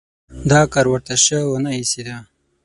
دا کار ورته شه ونه ایسېده.